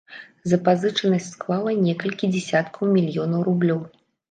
Запазычанасць склала некалькі дзясяткаў мільёнаў рублёў.